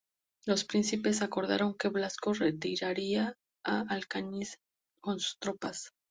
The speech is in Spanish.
Los príncipes acordaron que Blasco se retiraría a Alcañiz con sus tropas.